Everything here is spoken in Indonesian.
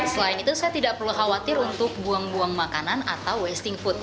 selain itu saya tidak perlu khawatir untuk buang buang makanan atau wasting food